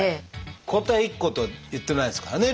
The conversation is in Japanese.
答え１個とは言ってないですからね